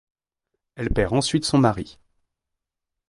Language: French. Elle perd ensuite son mari.